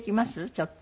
ちょっと。